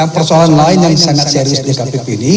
persoalan lain yang sangat serius dkpp ini